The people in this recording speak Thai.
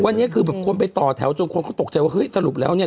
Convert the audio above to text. เห้ยวันนี้คือชุมไปต่อแถวจนเขาตกใจว่าเห้ยสรุปแล้วเนี่ย